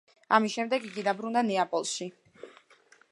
ამის შემდეგ იგი დაბრუნდა ნეაპოლში.